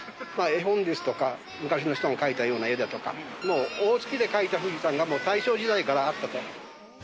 絵本ですとか、昔の人が描いたような絵だとか、もう大月で描いた富士山が大正時代からあったと。